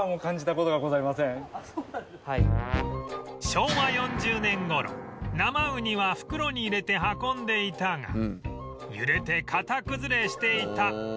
昭和４０年頃生ウニは袋に入れて運んでいたが揺れて形崩れしていた